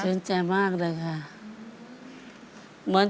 พี่น้อง